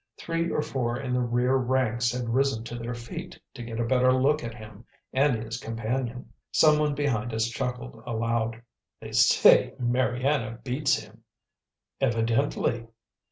Three or four in the rear ranks had risen to their feet to get a better look at him and his companion. Some one behind us chuckled aloud. "They say Mariana beats him." "Evidently!"